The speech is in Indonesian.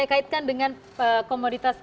kemudian saya kaitkan dengan komoditas ekstra